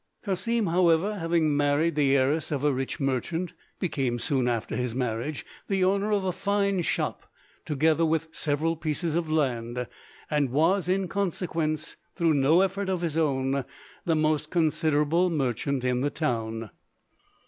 Cassim, however, having married the heiress of a rich merchant, became soon after his marriage the owner of a fine shop, together with several pieces of land, and was in consequence, through no effort of his own, the most considerable merchant in the town.